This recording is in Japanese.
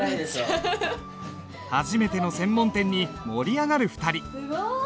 初めての専門店に盛り上がる２人。